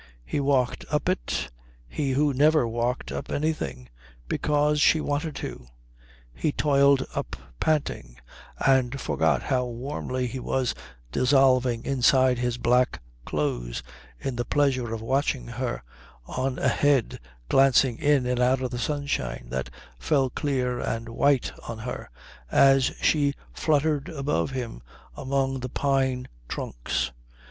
He walked up it, he who never walked up anything, because she wanted to. He toiled up panting, and forgot how warmly he was dissolving inside his black clothes in the pleasure of watching her on ahead glancing in and out of the sunshine that fell clear and white on her as she fluttered above him among the pine trunks.